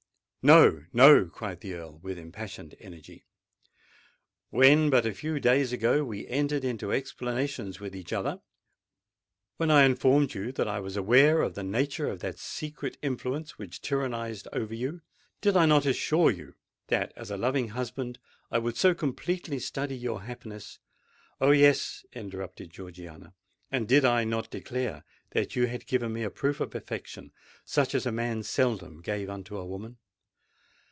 "No—no!" cried the Earl with impassioned energy. "When, but a few days ago, we entered into explanations with each other—when I informed you that I was aware of the nature of that secret influence which tyrannised over you,—did I not assure you that, as a loving husband, I would so completely study your happiness——" "Oh! yes," interrupted Georgiana; "and did I not declare that you had given me a proof of affection such as man seldom gave unto woman?